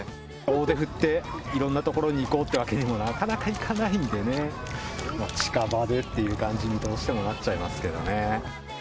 大手振って、いろんな所に行こうってわけにも、なかなかいかないんでね、近場でっていう感じにどうしてもなっちゃいますけどね。